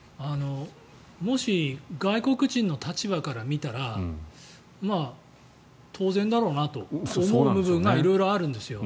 もし外国人の立場から見たら当然だろうなと思う部分が色々あるんですよ。